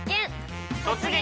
「突撃！